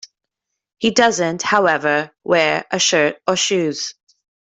He doesn't, however, wear a shirt or shoes.